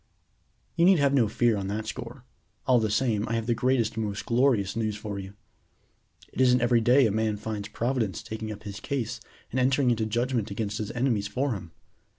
"You need have no fear on that score. All the same, I have the greatest and most glorious news for you. It isn't every day a man finds Providence taking up his case and entering into judgment against his enemies for him.